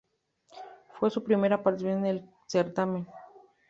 Fue su primera participación en el certamen.